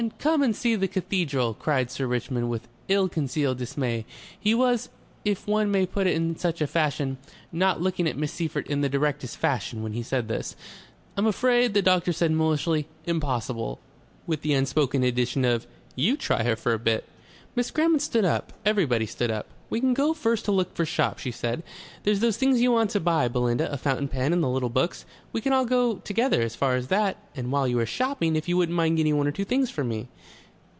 come and see the cathedral!" cried Sir Richmond with ill concealed dismay. He was, if one may put it in such a fashion, not looking at Miss Seyffert in the directest fashion when he said this. "I'm afraid," said the doctor mulishly. "Impossible." (With the unspoken addition of, "You try her for a bit.") Miss Grammont stood up. Everybody stood up. "We can go first to look for shops," she said. "There's those things you want to buy, Belinda; a fountain pen and the little books. We can all go together as far as that. And while you are shopping, if you wouldn't mind getting one or two things for me...."